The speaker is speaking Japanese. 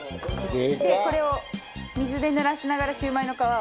これを水でぬらしながらシュウマイの皮を。